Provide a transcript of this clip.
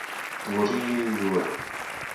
Tvoří ji žuly.